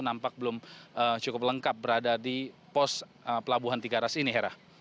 nampak belum cukup lengkap berada di pos pelabuhan tiga ras ini hera